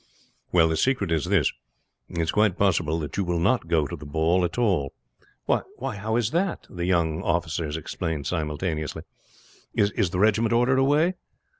"Well, the secret is this. It is quite probable you will not go to the ball at all." "Why! How it that?" the young officers exclaimed simultaneously. "Is the regiment ordered away?"